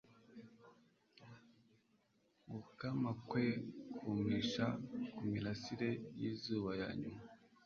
Gukama kwe kumisha kumirasire yizuba ya nyuma